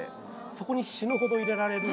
そこに死ぬほど入れられる。